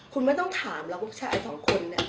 คุณไม่ต้องถามหรอกผู้ชายสองคนเนี่ย